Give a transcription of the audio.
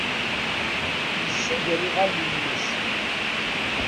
Yessader iɣallen-nnes.